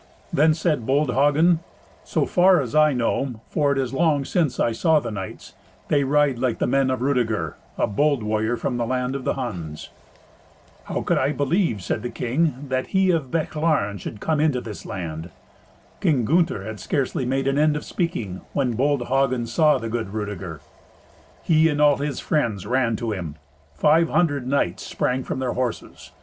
Then said bold Hagen, "So far as I know, for it is long since I saw the knights, they ride like the men of Rudeger, a bold warrior from the land of the Huns." "How could I believe," said the king, "that he of Bechlaren should come into this land?" King Gunther had scarcely made an end of speaking, when bold Hagen saw the good Rudeger. He and all his friends ran to him. Five hundred knights sprang from their horses.